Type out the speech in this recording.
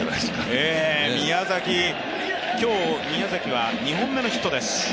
今日、宮崎は２本目のヒットです。